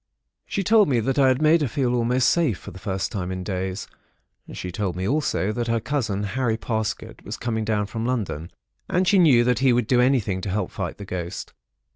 She told me that I had made her feel almost safe, for the first time for days. She told me also that her cousin, Harry Parsket, was coming down from London, and she knew that he would do anything to help fight the ghost.